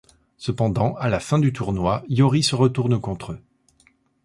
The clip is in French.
Cependant à la fin du tournoi Iori se retourne contre eux.